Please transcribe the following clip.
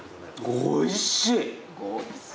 おいしい！